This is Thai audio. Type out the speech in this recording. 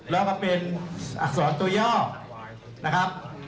แล้วก็เป็นอักษรตัวย่อนะครับ